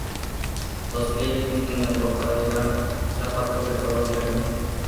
Los fieles visten en ropa de gala, zapatos de color negro.